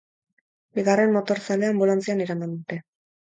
Bigarren motorzalea anbulantzian eraman dute.